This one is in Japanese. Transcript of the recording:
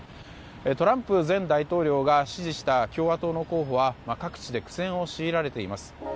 トランプ前大統領が支持した共和党の候補は各地で苦戦を強いられています。